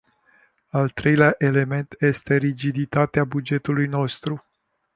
Al treilea element este rigiditatea bugetului nostru.